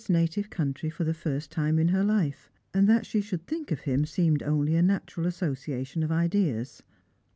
native country for the first time in her life, and tliat she should think of him seemed only a natural association of ideas.